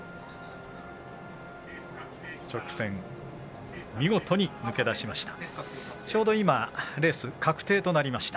直線、見事に抜け出しました。